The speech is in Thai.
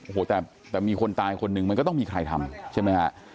โอ้โหแต่มีคนตายคนหนึ่งมันก็ต้องมีใครทำใช่ไหมฮะ